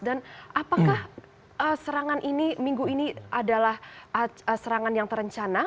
dan apakah serangan ini minggu ini adalah serangan yang terencana